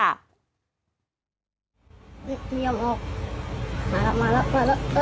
เฮียวออกมาแล้ว